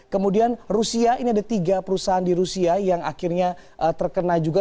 kemudian rusia ini ada tiga perusahaan di rusia yang akhirnya terkena juga